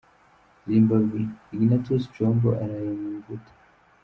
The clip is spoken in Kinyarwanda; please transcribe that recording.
Zimbabwe: Ignatius Chombo araye mu mvuto .